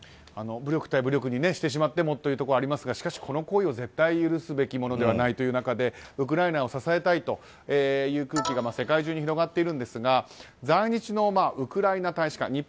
武力対武力にしてしまってもというところもありますがしかし、この行為を絶対許すべきものではないという中でウクライナを支えたいという空気が世界中に広まっていますが在日のウクライナ大使館。